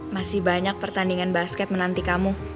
masih banyak pertandingan basket menanti kamu